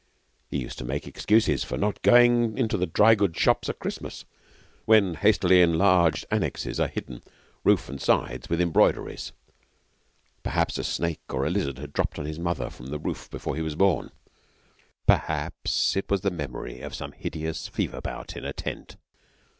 He used to make excuses for not going into the dry goods shops at Christmas, when hastily enlarged annexes are hidden, roof and sides, with embroideries. Perhaps a snake or a lizard had dropped on his mother from the roof before he was born; perhaps it was the memory of some hideous fever bout in a tent.